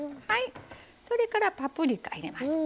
それからパプリカ入れます。